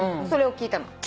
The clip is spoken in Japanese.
それを聞いたの。